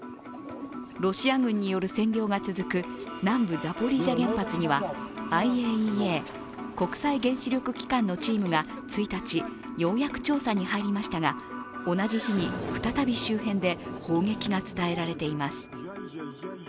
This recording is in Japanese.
ロシア軍による占領が続く南部ザポリージャ原発にはＩＡＥＡ＝国際原子力機関のチームが１日、ようやく調査に入りましたが同じ日に再び周辺で砲撃が伝えられています。